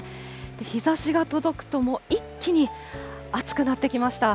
日ざしが届くと、もう一気に暑くなってきました。